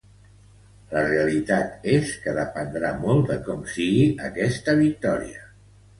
La realitat és que dependrà molt de com sigui aquesta victòria.